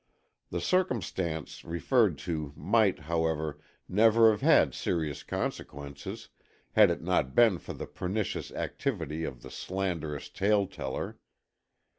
The circumstance referred to might, however, never have had serious consequences had it not been for the pernicious activity of the slanderous tale teller.